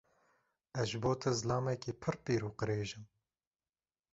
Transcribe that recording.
Ez ji bo te zilamekî pir pîr û qirêj im?